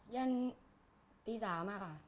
แยนตีสามอะคะ